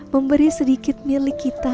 memberi sedikit milik kita